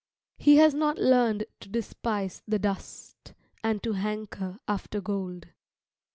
He has not learned to despise the dust, and to hanker after gold.